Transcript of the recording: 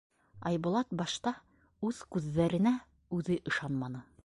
Айбулат башта үҙ күҙҙәренә үҙе ышанманы...